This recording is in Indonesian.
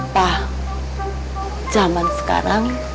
pa zaman sekarang